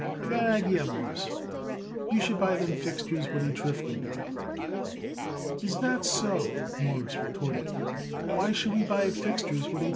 "I got an idee, Mawruss, we should buy them fixtures what H. Rifkin got." "Is that so?" Morris retorted. "Well, why should we buy it fixtures what H.